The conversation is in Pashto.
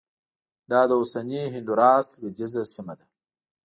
دا د اوسني هندوراس لوېدیځه سیمه ده